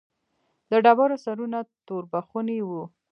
د ډبرو سرونه توربخوني وو.